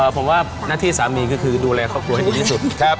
ผมว่าหน้าที่สามีก็คือดูแลครอบครัวให้ดีที่สุด